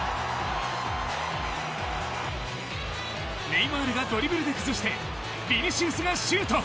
ネイマールがドリブルで崩してヴィニシウスがシュート。